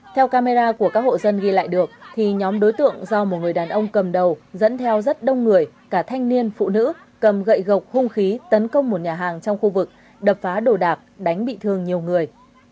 theo camera của các hộ dân ghi lại được thì nhóm đối tượng do một người đàn ông cầm đầu dẫn theo rất đông người cả thanh niên phụ nữ cầm gậy gộc hung khí tấn công một nhà hàng trong khu vực đập phá đồ đạc đánh bị thương nhiều người